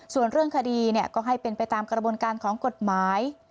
ส่วนเรื่องคดีก็ให้เป็นไปตามกระบวนการของกฎหมาย